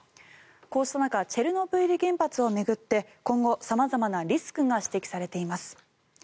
こうした中チェルノブイリ原発を巡って今後、様々なリスクが指摘されています。